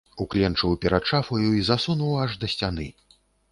Укленчыў перад шафаю і засунуў аж да сцяны.